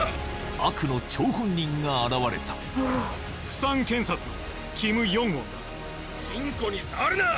悪の張本人が現れた釜山検察のキム・ヨンウォンだ金庫に触るな！